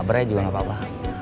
abra juga gak apa apa